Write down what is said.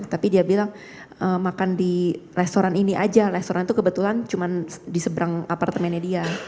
tapi dia bilang makan di restoran ini aja restoran itu kebetulan cuma di seberang apartemennya dia